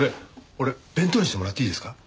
俺弁当にしてもらっていいですか？